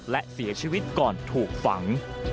และเสียชีวิตก่อนถูกฝัง